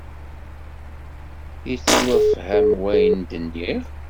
Yettwafham wayen d-nniɣ?